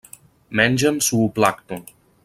Mengen zooplàncton.